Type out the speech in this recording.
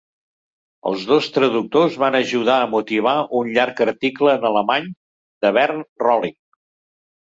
Els dos traductors van ajudar a motivar un llarg article en alemany de Bernd Rolling.